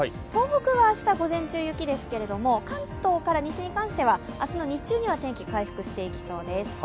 東北は明日午前中、雪ですけれども関東から西に関しては明日の日中には天気が回復していきそうです。